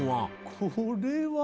これは？